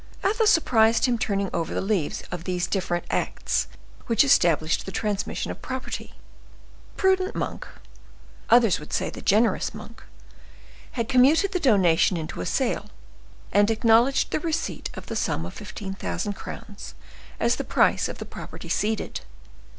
Athos surprised him turning over the leaves of these different acts which established the transmission of property. The prudent Monk—others would say the generous Monk—had commuted the donation into a sale, and acknowledged the receipt of the sum of fifteen thousand crowns as the price of the property ceded.